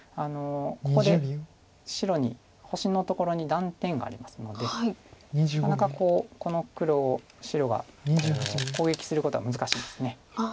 ここで白に星のところに断点がありますのでなかなかこの黒を白が攻撃することは難しいです。